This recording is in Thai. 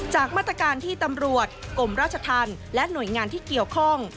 มาตรการที่ตำรวจกรมราชธรรมและหน่วยงานที่เกี่ยวข้อง